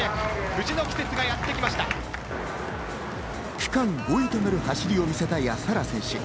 区間５位となる走りを見せた安原選手。